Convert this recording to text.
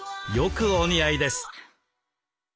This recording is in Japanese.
よくお似合いです。